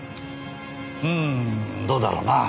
うんどうだろうな。